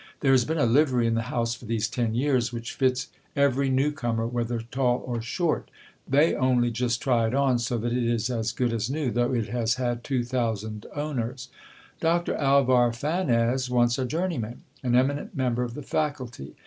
There has been a livery in the house for these ten years, which fits every new comer, whether tall or short. They only just try it on ; so that it is as good as new, though it has had two thousand owners. Doctor Alvar Fanez wants a journeyman ; an eminent member of the faculty